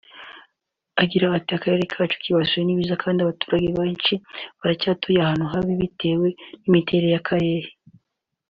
Agira ati “Akarere kacu kibasirwa n’ibiza kandi abaturage benshi baracyatuye ahantu habi bitewe n’imiterere y’akarere